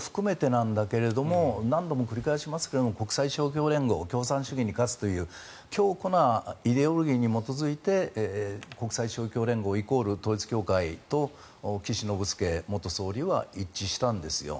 なんだけれども何度も繰り返しますが国際勝共連合共産主義に勝つという強固なイデオロギーに基づいて国際勝共連合イコール統一教会と岸信介元総理は一致したんですよ。